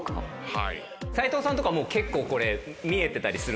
斎藤さんとか結構これ見えてたりするんすか？